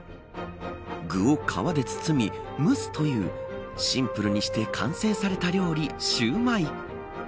具を皮で包み蒸すというシンプルにして完成された料理シューマイ。